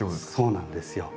そうなんですよ。